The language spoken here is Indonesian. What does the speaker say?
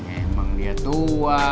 emang dia tua